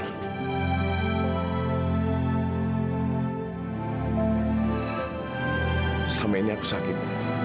selama ini aku sakit